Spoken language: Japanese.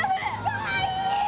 かわいい！